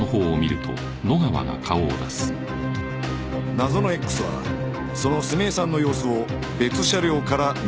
謎の Ｘ はその澄江さんの様子を別車両から見ていたのだろう